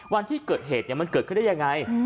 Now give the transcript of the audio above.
วันที่เกิดเหตุมันเกิดขึ้นได้ยังไง